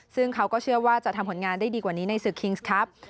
ซึ่งเขาก็เชื่อว่าจะทำผลงานได้ดีกว่านี้ในศึกคิงส์ครับ